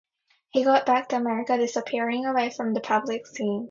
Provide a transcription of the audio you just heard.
He got back to America disappearing away from the public scene.